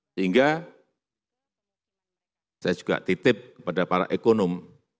sehingga saya juga titip kepada para ekonom